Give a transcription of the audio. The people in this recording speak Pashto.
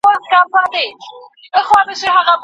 زموږ څېړني له بېلابېلو خنډونو سره مخامخ دي.